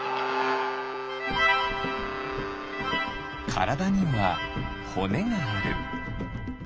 からだにはほねがある。